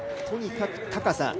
とにかく高さ。